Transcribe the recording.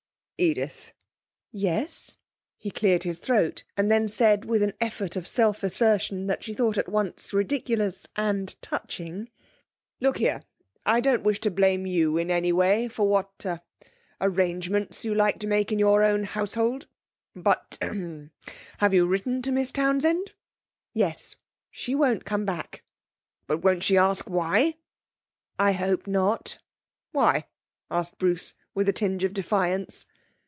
'Edith!' 'Yes?' He cleared his throat and then said with an effort of self assertion that she thought at once ridiculous and touching: 'Look here, I don't wish to blame you in any way for what er arrangements you like to make in your own household. But er have you written to Miss Townsend?' 'Yes; she won't come back.' 'Er but won't she ask why?' 'I hope not.' 'Why?' asked Bruce, with a tinge of defiance.